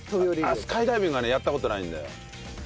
スカイダイビングはねやった事ないんだよ。